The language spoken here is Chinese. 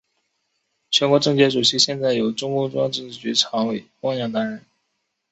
全国政协主席现在由中共中央政治局常委汪洋担任。